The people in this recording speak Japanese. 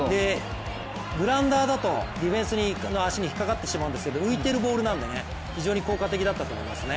グラウンダーだとディフェンダーの足に引っ掛かってしまうんですけど浮いてるボールなんで、非常に効果的だったと思いますね。